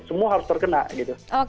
semua harus terkena gitu